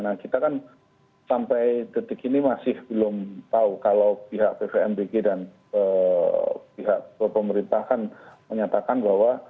nah kita kan sampai detik ini masih belum tahu kalau pihak pvmbg dan pihak pemerintah kan menyatakan bahwa